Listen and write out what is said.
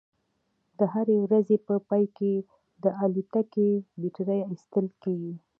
د هرې ورځې په پای کې د الوتکې بیټرۍ ایستل کیږي